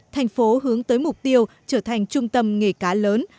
thành phố hướng tới mục tiêu trở thành trung tâm nghề cá lớn